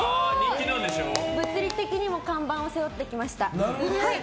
物理的にも看板を背負ってきました。